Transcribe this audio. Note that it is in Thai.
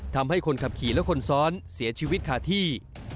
ทำให้คนขับขี่และคนซ้อนเสียชีวิตขาดที่